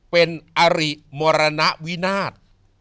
เป็นอริมรณวินาท